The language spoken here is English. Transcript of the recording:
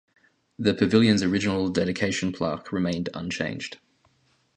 The pavilion's original dedication plaque remained unchanged.